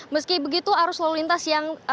meski begitu arus lalu lintas yang terpantau lengang